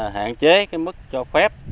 hạn chế cái mức cho phép